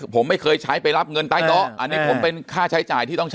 ผมไม่เคยใช้ไปรับเงินใต้โต๊ะอันนี้ผมเป็นค่าใช้จ่ายที่ต้องใช้